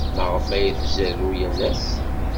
Maɣef ay tzerrew yal ass?